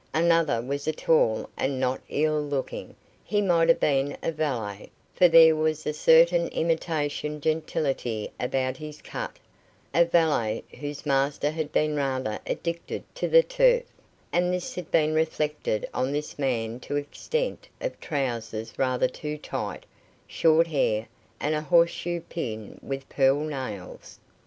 Another was tall and not ill looking; he might have been a valet, for there was a certain imitation gentility about his cut a valet whose master had been rather addicted to the turf, and this had been reflected on his man to the extent of trousers rather too tight, short hair, and a horseshoe pin with pearl nails.